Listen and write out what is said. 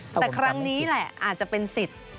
แต่ครั้งนี้แหละอาจจะเป็นสิทธิ์